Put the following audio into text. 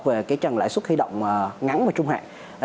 về cái trần lãi suất huy động ngắn và trung hạn